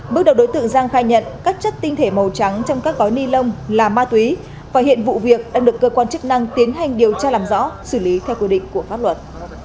bước đầu đối tượng giang khai nhận các chất tinh thể màu trắng trong các gói ni lông là ma túy và hiện vụ việc đang được cơ quan chức năng tiến hành điều tra làm rõ xử lý theo quy định của pháp luật